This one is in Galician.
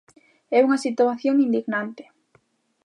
É unha situación indignante.